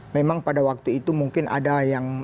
memang pada waktu itu mungkin ada yang